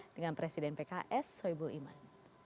dengan presiden pks soebul iman